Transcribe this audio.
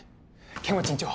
剣持院長